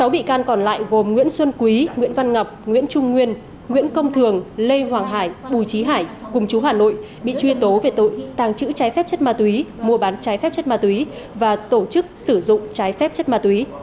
sáu bị can còn lại gồm nguyễn xuân quý nguyễn văn ngọc nguyễn trung nguyên nguyễn công thường lê hoàng hải bùi trí hải cùng chú hà nội bị truy tố về tội tàng trữ trái phép chất ma túy mua bán trái phép chất ma túy và tổ chức sử dụng trái phép chất ma túy